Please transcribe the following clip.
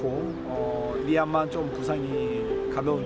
dan riyan juga sedikit berbahaya